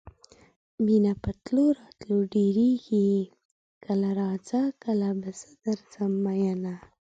مینه په تلو راتلو ډیریږي کله راځه کله به زه درځم میینه